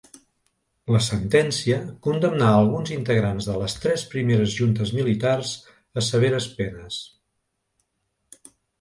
La sentència condemnà alguns integrants de les tres primeres juntes militars a severes penes.